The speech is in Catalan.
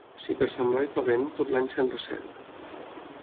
Si per Sant Blai fa vent, tot l'any se'n ressent.